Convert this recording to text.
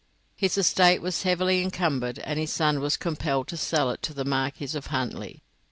His estate was heavily encumbered, and his son was compelled to sell it to the Marquis of Huntly.